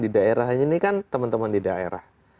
di daerah ini kan teman teman di daerah